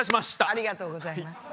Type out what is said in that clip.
ありがとうございます。